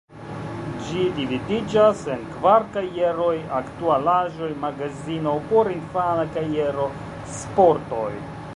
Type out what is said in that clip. Ĝi dividiĝas en kvar kajeroj: “Aktualaĵoj“, “Magazino“, “Porinfana kajero“, “Sportoj“.